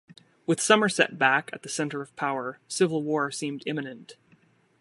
With Somerset back at the centre of power, civil war seemed imminent.